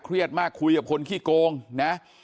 เครียดมากคุยกับคนขี้โกงนะ